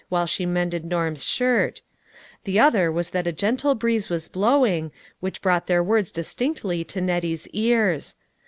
while she mended Norm's shirt ; the other was that a gentle breeze was blowing, which brought their words distinctly to Nettie's ears.